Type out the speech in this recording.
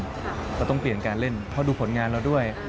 เราต้องเปลี่ยนการเล่นเพราะดูผลงานเราด้วย